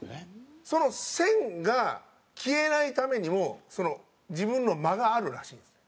その線が消えないためにも自分の間があるらしいんですよ。